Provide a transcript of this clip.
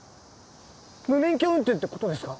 無免許運転ってことですか！？